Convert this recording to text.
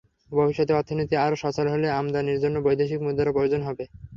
ভবিষ্যতে অর্থনীতি আরও সচল হলে আমদানির জন্য বৈদেশিক মুদ্রার প্রয়োজন হবে।